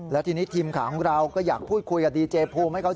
แล้วทีนี้ทีมข่าวของเราก็อยากพูดคุยกับดีเจภูมิให้เขา